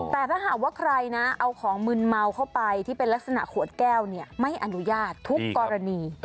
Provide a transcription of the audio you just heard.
แต่ถ้าหากว่าใครนะเอาของมึนเมาเข้าไปที่เป็นลักษณะขวดแก้วไม่อนุญาตทุกกรณี